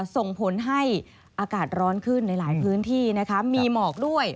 ส่งผลให้อากาศร้อนขึ้นในหลายพื้นที่นะคะมีหมอกด้วย